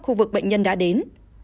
khu vực bệnh nhân đã đến